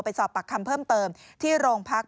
สอบปากคำเพิ่มเติมที่โรงพัก